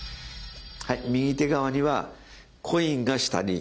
はい右手側にはコインが下に。